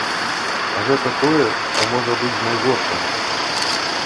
А гэта тое, што можа быць з найгоршага.